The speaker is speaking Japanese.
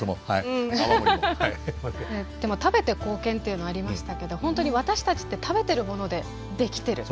でも食べて貢献っていうのありましたけど本当に私たちって食べてるもので出来てる。